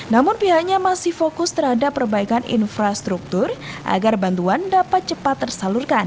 namun pihaknya masih fokus terhadap perbaikan infrastruktur agar bantuan dapat cepat tersalurkan